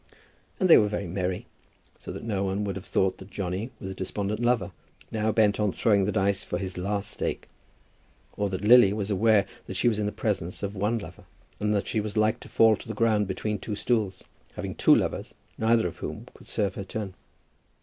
And they were very merry, so that no one would have thought that Johnny was a despondent lover, now bent on throwing the dice for his last stake; or that Lily was aware that she was in the presence of one lover, and that she was like to fall to the ground between two stools, having two lovers, neither of whom could serve her turn.